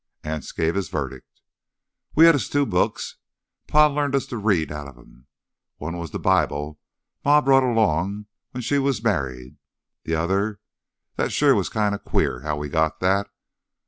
Anse gave his verdict. "We had us two books. Pa learned us to read outta them. One was th' Bible Ma brought long when she was married. T'other—that sure was kinda queer how we got that.